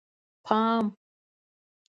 _پام!!!